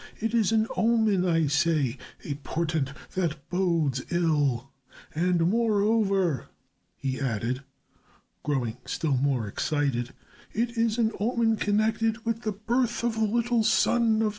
It is an omen, I say, a portent that bodes ill. And, moreover," he added, growing still more excited, "it is an omen connected with the birth of the little son of Terah."